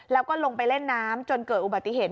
แล้วก็ลงไปเล่นน้ำจนเกิดอุบัติเหตุ